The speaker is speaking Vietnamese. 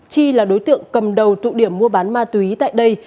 chi là đối tượng cầm đầu tụ điểm mua bán ma túy tại đây